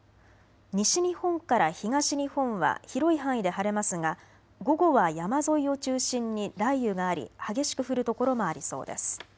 西日本から東日本は広い範囲で晴れますが午後は山沿いを中心に雷雨があり激しく降る所もありそうです。